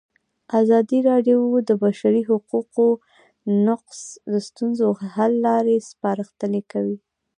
ازادي راډیو د د بشري حقونو نقض د ستونزو حل لارې سپارښتنې کړي.